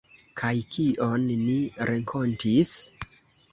Kaj kion ni renkontis?